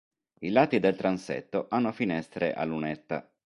I lati del transetto hanno finestre a lunetta.